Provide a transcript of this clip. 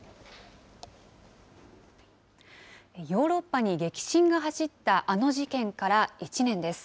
ヨーロッパに激震が走ったあの事件から１年です。